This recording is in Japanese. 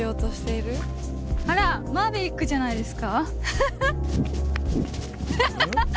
あら、マーヴェリックじゃないですか？